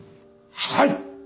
はい！